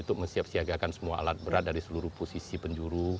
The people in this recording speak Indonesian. untuk menyiapkan siagakan semua alat berat dari seluruh posisi penjuru